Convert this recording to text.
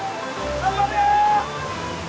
頑張れよ。